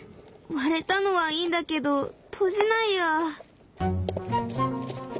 割れたのはいいんだけど閉じないや。